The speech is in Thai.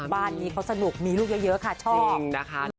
บ้านนี้เขาสนุกมีลูกเยอะค่ะชอบนะคะ